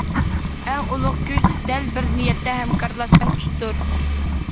ئەڭ ئۇلۇغ كۈچ دەل بىر نىيەتتە ھەمكارلاشقان كۈچتۇر.